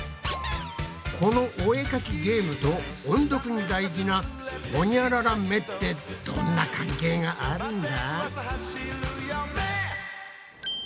このお絵かきゲームと音読に大事なホニャララめってどんな関係があるんだ？